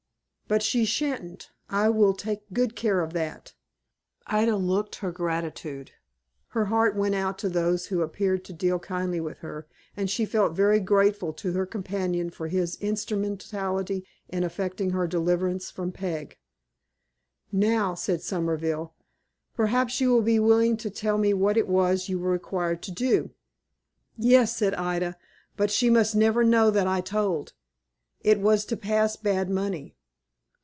"But she sha'n't. I will take good care of that." Ida looked her gratitude. Her heart went out to those who appeared to deal kindly with her, and she felt very grateful to her companion for his instrumentality in effecting her deliverance from Peg. "Now," said Somerville, "perhaps you will be willing to tell me what it was you were required to do." "Yes," said Ida; "but she must never know that I told. It was to pass bad money."